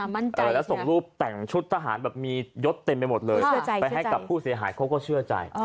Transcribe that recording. แล้วส่งรูปแต่งชุดทหารแบบมียศเต็มไปหมดเลยไปให้กับผู้เสียหายเขาก็เชื่อใจ